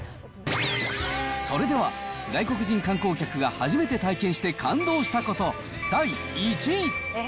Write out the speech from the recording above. それでは、外国人観光客が初めて体験して感動したこと、第１位。